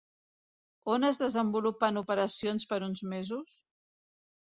On es desenvolupen operacions per uns mesos?